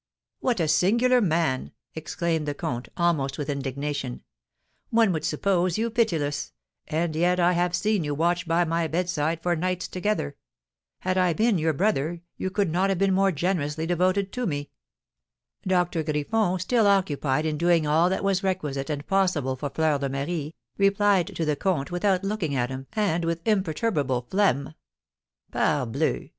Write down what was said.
"What a singular man!" exclaimed the comte, almost with indignation. "One would suppose you pitiless, and yet I have seen you watch by my bedside for nights together. Had I been your brother, you could not have been more generously devoted to me." Doctor Griffon, still occupied in doing all that was requisite and possible for Fleur de Marie, replied to the comte without looking at him, and with imperturbable phlegm: "_Parbleu!